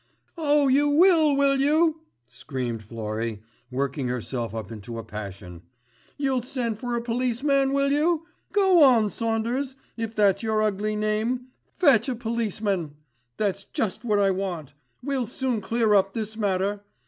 "Oh you will, will you," screamed Florrie, working herself up into a passion. "You'll send for a policeman will you? Go on Saunders, if that's your ugly name, fetch a policeman. That's just what I want. We'll soon clear up this matter.